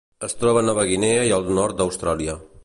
Es troba a Nova Guinea i el nord d'Austràlia.